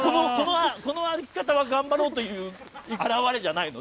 この歩き方は頑張ろうという表れじゃないの？